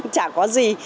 chả có gì